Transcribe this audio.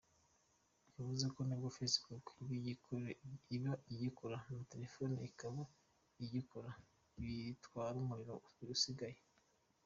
Bivuze ko nabwo Facebook iba igikora na telefone ikaba igikora bigatwara umuriro usigaye.